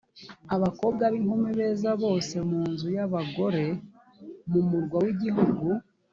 abakobwa b’inkumi beza bose mu nzu y’abagore mu murwa w’igihugu